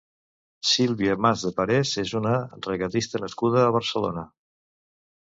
Silvia Mas Depares és una regatista nascuda a Barcelona.